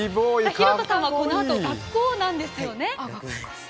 寛飛さんはこのあと学校なんですよね。